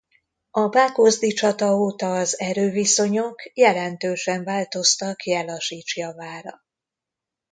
A pákozdi csata óta az erőviszonyok jelentősen változtak Jellasics javára.